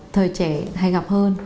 thời trẻ hay gặp hơn